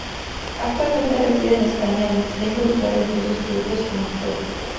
Actualmente reside en España donde está involucrado en diversos proyectos como actor.